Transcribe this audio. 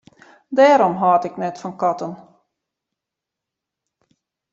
Dêrom hâld ik net fan katten.